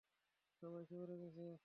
সবাই শহরে গেছে।